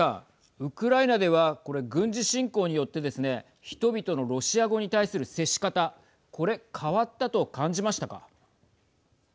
ウクライナではこれ、軍事侵攻によってですね人々のロシア語に対する接し方これ変わったと感じましたか。